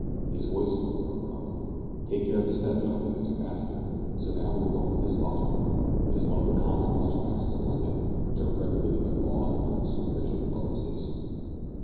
His voice is no longer gruff. Take care of the step, gentlemen, as you pass here; so, now we will go into this lodging. It is one of the common lodging houses of London, which are regulated by law and under the supervision of the police.